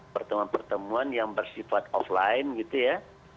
pertemuan pertemuan yang bersifat offline gitu ya